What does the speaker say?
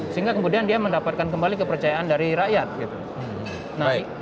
sehingga kemudian dia mendapatkan kembali kepercayaan dari rakyat gitu